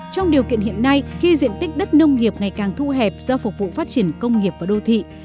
trong điều kiện hiện nay khi diện tích đất nông nghiệp ngày càng thu hẹp do phục vụ phát triển công nghiệp và đô thị